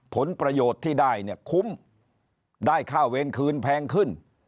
ผลประโยชน์ที่ได้เนี่ยคุ้มได้ค่าเวรคืนแพงขึ้น